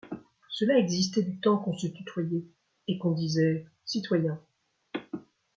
Cela existait du temps qu’on se tutoyait et qu’on disait : Citoyen.